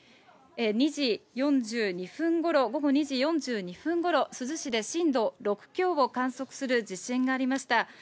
２時４２分ごろ、午後２時４２分ごろ、珠洲市で震度６強を観測する地震がありました。